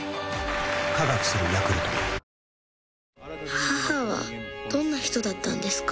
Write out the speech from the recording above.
母はどんな人だったんですか？